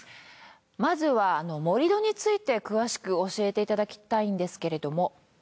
まずは盛り土について詳しく教えていただきたいんですけれども。